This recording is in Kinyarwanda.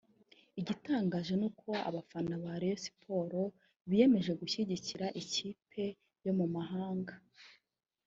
Igitangaje ni uko abafana ba Rayon Sport biyemeje gushyigikira ikipe yo mu mahanga